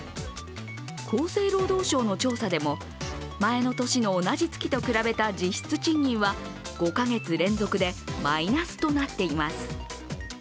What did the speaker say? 厚生労働省の調査でも前の年の同じ月と比べた実質賃金は５か月連続でマイナスとなっています。